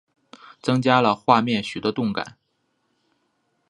增加了画面许多动感